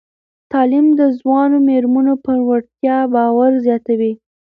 تعلیم د ځوانو میرمنو په وړتیاوو باور زیاتوي.